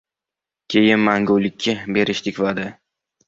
Keyin mangulikka berishdik va’da.